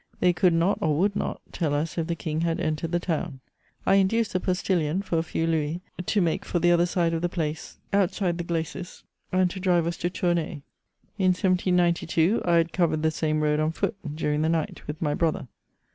They could not, or would not, tell us if the King had entered the town. I induced the postillion for a few louis to make for the other side of the place, outside the glacis, and to drive us to Tournay; in 1792, I had covered the same road on foot, during the night, with my brother.